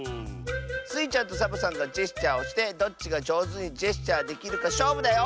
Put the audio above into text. スイちゃんとサボさんがジェスチャーをしてどっちがじょうずにジェスチャーできるかしょうぶだよ！